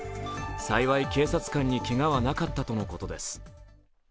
幸い、警察官にけがはなかったとのことです。